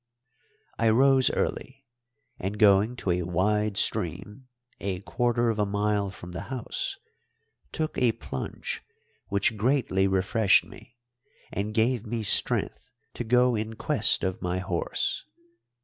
I rose early, and, going to a wide stream, a quarter of a mile from the house, took a plunge which greatly refreshed me and gave me strength to go in quest of my horse.